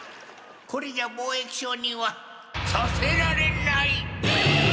これじゃあ貿易商にはさせられない！え！？